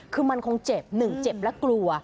คือมันคงเจ็บ๑เจ็บแล้วกลัว